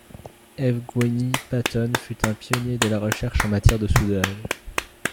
Evgueni Paton fut un pionnier de la recherche en matière de soudage.